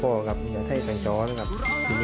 บอกเลยว่าหลายคนน่าจะบราบนึงนะ